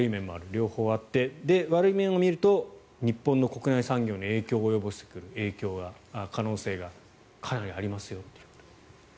両方あって悪い面を見ると日本の国内産業に影響を及ぼす可能性がかなりありますよと。